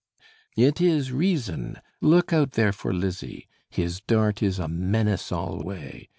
It is Reason! Look out there for Lizzie! His dart is a menace alway.